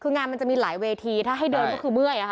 คืองานมันจะมีหลายเวทีถ้าให้เดินก็คือเมื่อย